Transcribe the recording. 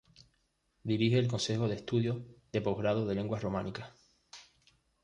Dirige el Consejo de Estudios de Postgrado de Lenguas Románicas.